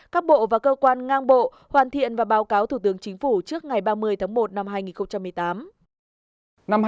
các bộ và cơ quan ngang bộ hoàn thiện và báo cáo thủ tướng chính phủ trước ngày ba mươi tháng một năm hai nghìn một mươi tám